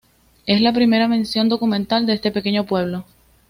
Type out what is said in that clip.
Es la primera mención documental de este pequeño pueblo.